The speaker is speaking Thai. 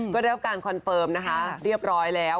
ก็เรียบร้อยแล้ว